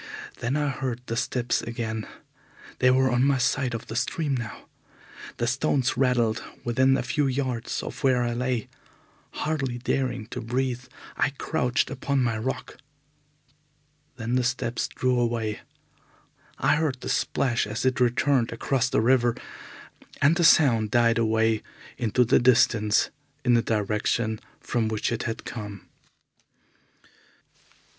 Then I heard the steps again. They were on my side of the stream now. The stones rattled within a few yards of where I lay. Hardly daring to breathe, I crouched upon my rock. Then the steps drew away. I heard the splash as it returned across the river, and the sound died away into the distance in the direction from which it had come.